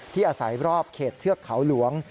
อาศัยรอบเขตเทือกเขาหลวง